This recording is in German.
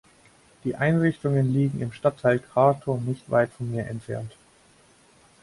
Die Einrichtungen liegen im Stadtteil Quarto nicht weit vom Meer entfernt.